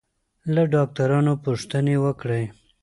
له ډاکټرانو پوښتنې وکړئ.